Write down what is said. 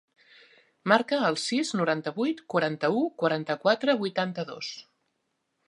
Marca el sis, noranta-vuit, quaranta-u, quaranta-quatre, vuitanta-dos.